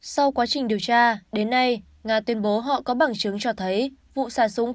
sau quá trình điều tra đến nay nga tuyên bố họ có bằng chứng cho thấy vụ xả súng